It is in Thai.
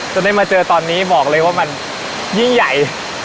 จนได้มาเจอตอนนี้บอกเลยว่ามันยิ่งใหญ่